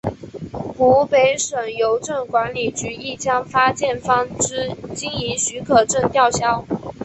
湖北省邮政管理局亦将发件方之经营许可证吊销。